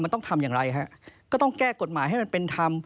มันต้องทำอย่างไรฮะก็ต้องแก้กฎหมายให้มันเป็นธรรม